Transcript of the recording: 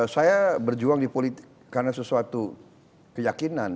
saya berjuang di politik karena sesuatu keyakinan